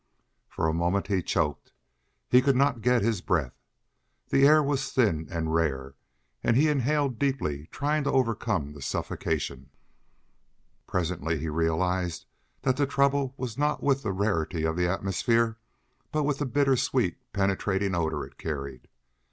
For a moment he choked; he could not get his breath. The air was thin and rare, and he inhaled deeply trying to overcome the suffocation. Presently he realized that the trouble was not with the rarity of the atmosphere, but with the bitter sweet penetrating odor it carried.